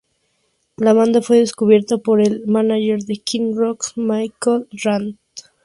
La banda fue descubierta por el mánager de Kid Rock, Michael Rand.